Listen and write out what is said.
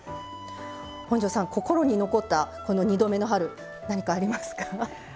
本上さん、心に残った２度目の春は何かありますか？